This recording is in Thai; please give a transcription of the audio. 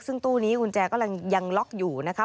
ซึ่งตู้นี้กุญแจก็ยังล็อกอยู่นะคะ